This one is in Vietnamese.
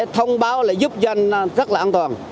thông báo là giúp dân rất là an toàn